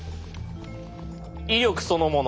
威力そのもの